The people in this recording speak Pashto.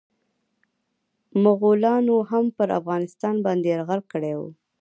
مغولانو هم پرافغانستان باندي يرغل کړی و.